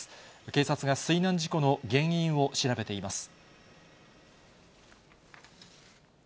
警察が水難事故の原因を調べています。